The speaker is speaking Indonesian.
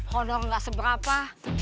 honor gak seberapa